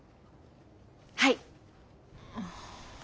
はい。